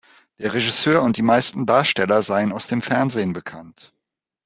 Der Regisseur und die meisten Darsteller seien aus dem Fernsehen bekannt.